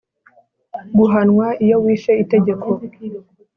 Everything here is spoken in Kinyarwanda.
guhanwa iyo wishe itegeko